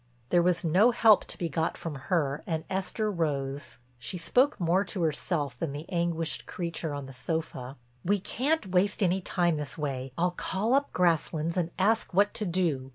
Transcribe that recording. There was no help to be got from her and Esther rose. She spoke more to herself than the anguished creature on the sofa: "We can't waste time this way. I'll call up Grasslands and ask what to do."